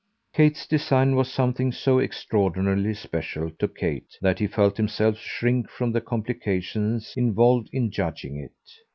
Kate's design was something so extraordinarily special to Kate that he felt himself shrink from the complications involved in judging it.